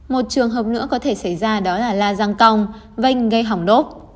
một trường hợp nữa có thể xảy ra đó là la răng cong vanh gây hỏng lốp